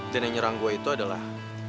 dan yang nyerang gue itu adalah